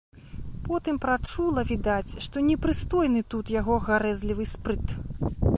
Потым прачула, відаць, што непрыстойны тут яго гарэзлівы спрыт.